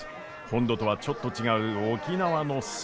本土とはちょっと違う沖縄の角力。